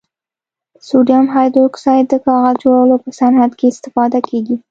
سوډیم هایدروکسایډ د کاغذ جوړولو په صنعت کې استفاده کیږي.